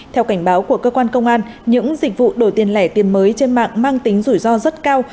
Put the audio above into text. theo cảnh báo của cơ quan công an những dịch vụ đổi tiền lẻ tiền mới trên mạng mang tính rủi ro rất cao